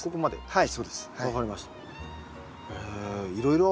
はい。